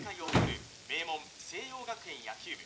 名門星葉学園野球部